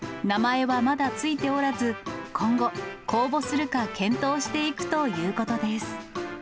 名前はまだ付いておらず、今後、公募するか検討していくということです。